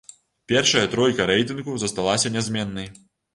Першая тройка рэйтынгу засталася нязменнай.